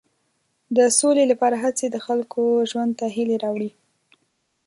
د سولې لپاره هڅې د خلکو ژوند ته هیلې راوړي.